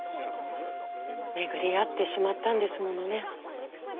巡り会ってしまったんですものね。